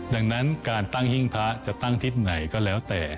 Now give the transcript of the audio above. ดังนั้นการตั้งหิ้งพระจะตั้งทิศไหนก็แล้วแต่